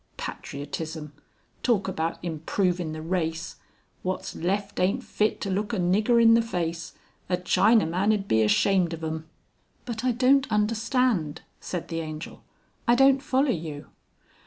Patriotism! Talk about improvin' the race! Wot's left aint fit to look a nigger in the face, a Chinaman 'ud be ashamed of 'em...." "But I don't understand," said the Angel. "I don't follow you."